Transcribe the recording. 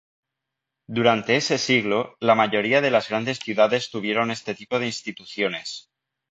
Durante ese siglo, la mayoría de las grandes ciudades tuvieron este tipo de instituciones.